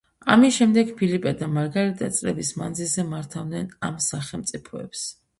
ამის შემდეგ ფილიპე და მარგარიტა წლების მანძილზე მართავდნენ ამ სახელმწიფოებს.